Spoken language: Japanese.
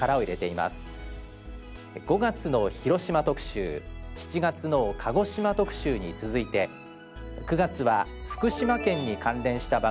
５月の広島特集７月の鹿児島特集に続いて９月は福島県に関連した番組を集中編成。